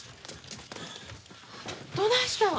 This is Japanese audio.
どないしたん？